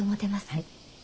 はい。